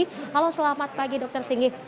halo selamat pagi dokter singgih